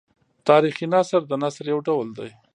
تاریخي نثر د نثر یو ډول دﺉ.